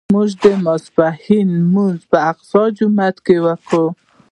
موږ د ماسپښین لمونځ په اقصی جومات کې وکړ.